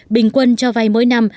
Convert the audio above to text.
bình quân cho vay mỗi năm